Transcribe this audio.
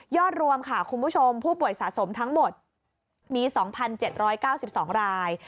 รวมค่ะคุณผู้ชมผู้ป่วยสะสมทั้งหมดมี๒๗๙๒ราย